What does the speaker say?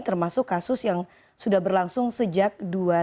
termasuk kasus yang sudah berlangsung sejak dua ribu dua